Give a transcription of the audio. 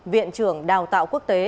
viện trưởng đào tạo quốc tế